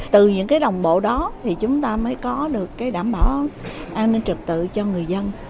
từ những cái đồng bộ đó thì chúng ta mới có được đảm bảo an ninh trực tự cho người dân